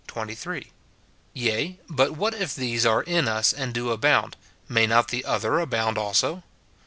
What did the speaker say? Yea ; but what if these are in us and do abound, may not the other abound also?